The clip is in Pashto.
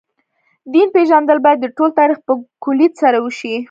دین پېژندل باید د ټول تاریخ په کُلیت سره وشي.